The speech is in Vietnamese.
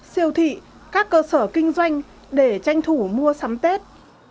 siêu thị các cơ sở kinh doanh để tranh thủ mua sắm tết